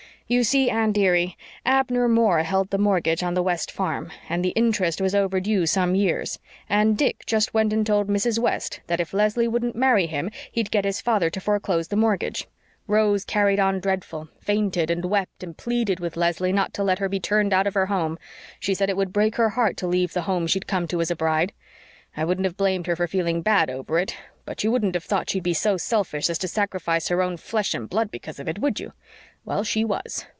You see, dearie, Abner Moore held the mortgage on the West farm, and the interest was overdue some years, and Dick just went and told Mrs. West that if Leslie wouldn't marry him he'd get his father to foreclose the mortgage. Rose carried on terrible fainted and wept, and pleaded with Leslie not to let her be turned out of her home. She said it would break her heart to leave the home she'd come to as a bride. I wouldn't have blamed her for feeling dreadful bad over it but you wouldn't have thought she'd be so selfish as to sacrifice her own flesh and blood because of it, would you? Well, she was.